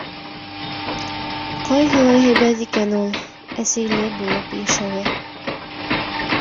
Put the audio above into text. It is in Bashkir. Ҡайһылай һәйбәт икән ул әсәйле булып йәшәүе!